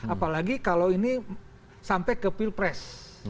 apalagi kalau ini sampai ke pilpres